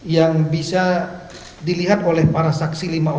yang bisa dilihat oleh para saksi lima orang